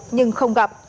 nhưng không gặp